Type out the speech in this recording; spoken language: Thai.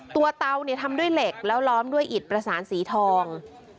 เตาเนี่ยทำด้วยเหล็กแล้วล้อมด้วยอิดประสานสีทอง